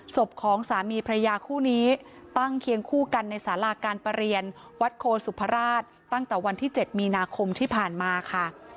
ศพของสามีพระยาคู่นี้ตั้งเคียงคู่กันในสาราการประเรียนวัดโคสุพราชตั้งแต่วันที่๗มีนาคมที่ผ่านมาค่ะ